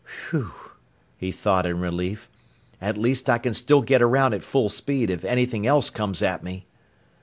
"Whew!" he thought in relief. "At least I can still get around at full speed if anything else comes at me!"